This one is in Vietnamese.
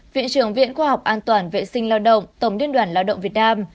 viện trưởng viện khoa học an toàn vệ sinh lao động tổng liên đoàn lao động việt nam